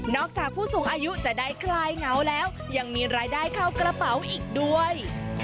จากผู้สูงอายุจะได้คลายเหงาแล้วยังมีรายได้เข้ากระเป๋าอีกด้วย